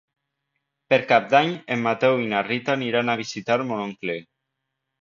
Per Cap d'Any en Mateu i na Rita aniran a visitar mon oncle.